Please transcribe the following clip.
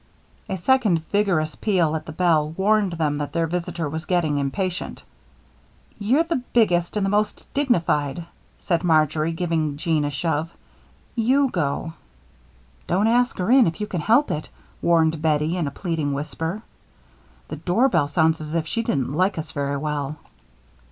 A second vigorous peal at the bell warned them that their visitor was getting impatient. "You're the biggest and the most dignified," said Marjory, giving Jean a shove. "You go." "Don't ask her in if you can help it," warned Bettie, in a pleading whisper. "The doorbell sounds as if she didn't like us very well."